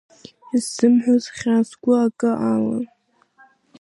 Исзымҳәоз хьаан сгәы акы алан.